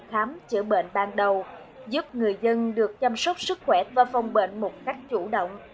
khám chữa bệnh ban đầu giúp người dân được chăm sóc sức khỏe và phòng bệnh một cách chủ động